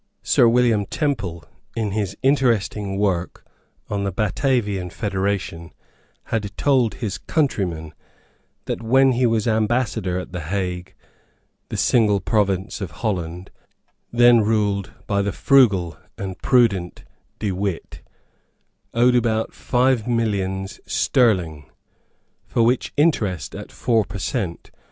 Sir William Temple, in his interesting work on the Batavian federation, had told his countrymen that, when he was ambassador at the Hague, the single province of Holland, then ruled by the frugal and prudent De Witt, owed about five millions sterling, for which interest at four per cent.